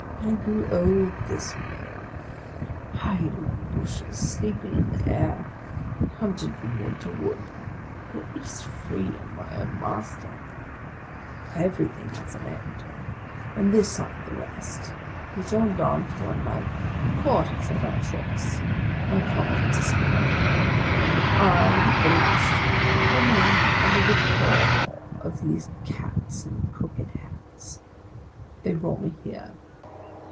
I grew eld this way, hiding in the bushes, sleeping in the the air, hunted from wood to wood, but at least free and my OF A CONDEMNED 75 own master. Everything has an end, and this like the rest ; the gendarmes one night caught us at our tricks; my comrades escaped; but I, the oldest, remained under the claw of these cats in cocked hats. They brought me here.